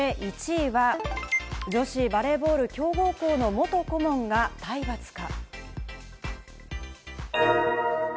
そして１位は女子バレーボール強豪校の元顧問が体罰か？